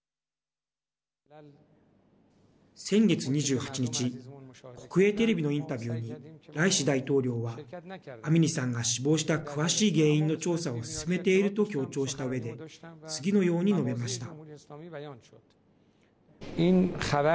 先月２８日国営テレビのインタビューにライシ大統領はアミニさんが死亡した詳しい原因の調査を進めていると強調したうえで次のように述べました。